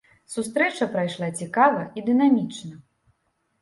Сустрэча прайшла цікава і дынамічна.